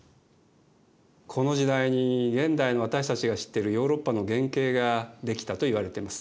この時代に現代の私たちが知ってるヨーロッパの原型が出来たといわれてます。